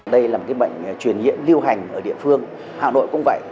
đây là một cái bệnh truyền nhiễm lưu hành ở địa phương hà nội cũng vậy